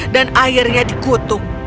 dan airnya dikutuk